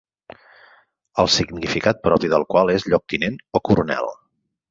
El significat propi del qual és lloctinent o coronel.